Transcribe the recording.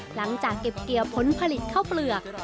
หลังจากเก็บเกี่ยวผลผลิตข้าวเปลือก